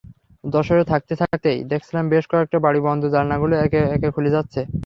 যশোরে থাকতে থাকতেই দেখছিলাম বেশ কয়েকটা বাড়ির বন্ধ জানালাগুলো একে একে খুলে যাচ্ছে।